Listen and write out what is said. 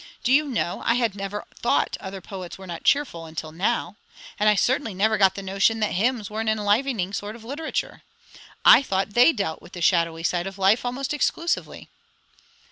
Do you know, I had never thought other poets were not cheerful, until now; and I certainly never got the notion that hymns were an enlivening sort of literature. I thought they dealt with the shadowy side of life almost exclusively."